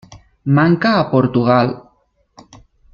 Manca a Portugal.